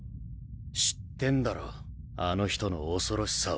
知ってんだろあの人の恐ろしさを。